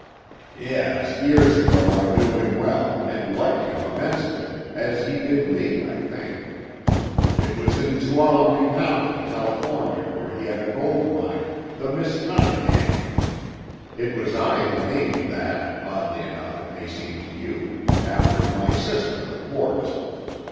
"Yes, years ago I knew him well, and liked him immensely as he did me, I think. It was in Tuolumne County, California, where he had a gold mine the Miss Cunningham. It was I who named that, oddly enough it may seem to you, after my sister, of course.